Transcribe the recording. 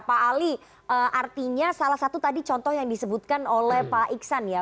pak ali artinya salah satu tadi contoh yang disebutkan oleh pak iksan ya